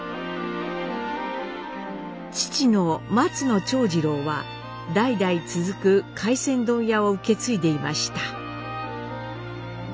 父の松野長次郎は代々続く回船問屋を受け継いでいました。